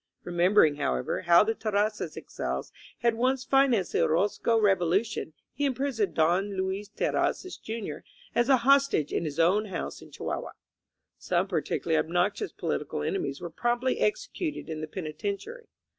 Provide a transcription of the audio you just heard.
Remembering, however, how the Terrazzas exiles had once financed the Orozco Revolution, he im prisoned Don Luis Terrazzas, Jr., as a hostage in his own house in Chihuahua. Some particularly obnoxious political enemies were promptly executed in the peni tentiary.